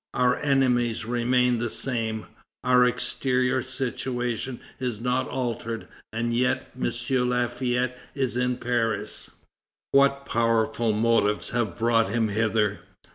Our enemies remain the same. Our exterior situation is not altered, and yet M. Lafayette is in Paris! What powerful motives have brought him hither?